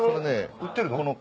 売ってるの？